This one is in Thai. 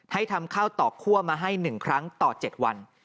ให้ทำข้าวต่อคั่วมาให้๑ครั้งต่อ๗วัน